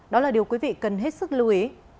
đó là điều quý vị cần hết sức lưu ý